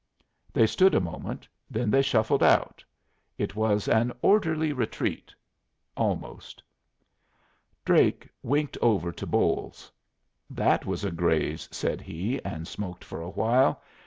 They stood a moment. Then they shuffled out. It was an orderly retreat almost. Drake winked over to Bolles. "That was a graze," said he, and smoked for a while.